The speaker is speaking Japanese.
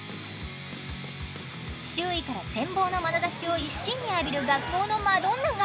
周囲から羨望のまなざしを一身に浴びる学校のマドンナが。